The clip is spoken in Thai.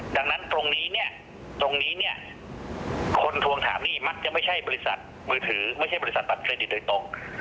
ดังนั้นตรงนี้เนี่ยตรงนี้เนี่ยคนทวงถามหนี้มักจะไม่ใช่บริษัทมือถือไม่ใช่บริษัทบัตรเครดิตโดยตรง